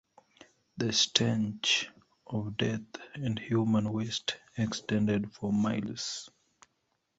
The stench of death and human waste extended for miles.